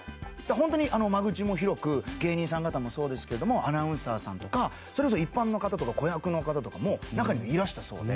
ホントに間口も広く芸人さん方もそうですけどもアナウンサーさんとかそれこそ一般の方とか子役の方とかも中にはいらしたそうで。